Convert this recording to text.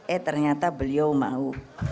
eh ternyata beliau mau